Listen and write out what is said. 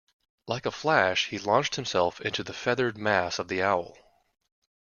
Like a flash he launched himself into the feathered mass of the owl.